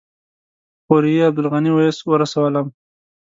خوريي عبدالغني ویس ورسولم.